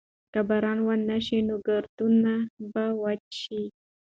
که باران ونه شي نو کروندې به وچې شي.